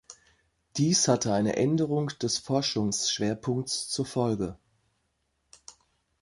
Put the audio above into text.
Dies hatte eine Änderung des Forschungsschwerpunkts zur Folge.